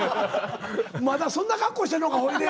まだそんな格好してんのかほいで。